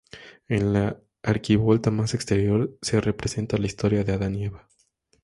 En la arquivolta más exterior, se representa la historia de Adán y Eva.